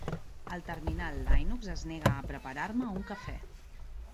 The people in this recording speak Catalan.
El terminal Linux es nega a preparar-me un cafè.